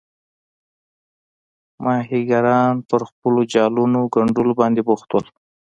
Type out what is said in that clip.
ماهیګیران پر خپلو جالونو ګنډلو باندې بوخت وو.